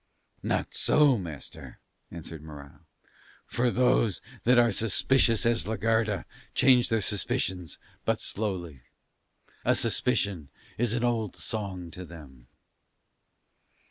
"Not so, master," answered Morano, "for those that are as suspicious as la Garda change their suspicions but slowly. A suspicion is an old song to them."